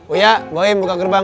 uya gue mau buka gerbang